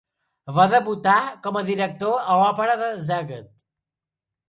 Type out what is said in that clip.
Va debutar com a director a l'òpera de Szeged.